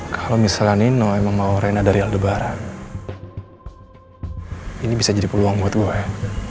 kalau misalnya nino memang mau rena dari lebaran ini bisa jadi peluang buat gue ya